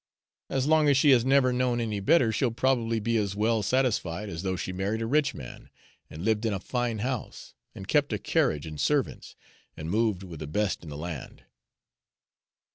As long as she has never known any better, she'll probably be as well satisfied as though she married a rich man, and lived in a fine house, and kept a carriage and servants, and moved with the best in the land."